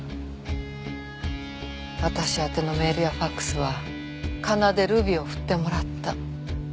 私宛てのメールやファクスは仮名でルビを振ってもらった。